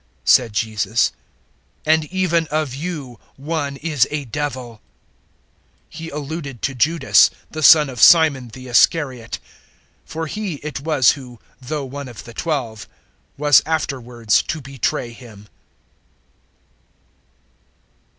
said Jesus, "and even of you one is a devil." 006:071 He alluded to Judas, the son of Simon the Iscariot. For he it was who, though one of the Twelve, was afterwards to betray Him.